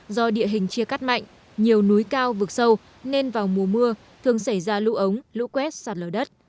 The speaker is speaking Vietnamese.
do địa hình chia cắt mạnh nhiều núi cao vực sâu nên vào mùa mưa thường xảy ra lũ ống lũ quét sạt lở đất